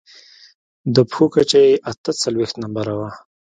د پښو کچه يې اته څلوېښت نمبره وه.